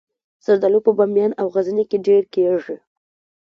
زردالو په بامیان او غزني کې ډیر کیږي